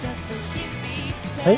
はい？